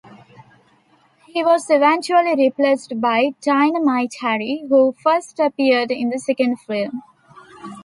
He was eventually replaced by "Dynamit-Harry" who first appeared in the second film.